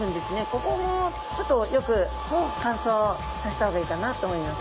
ここもちょっとよく乾燥させた方がいいかなと思います。